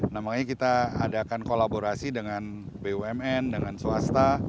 namanya kita adakan kolaborasi dengan bumn dengan swasta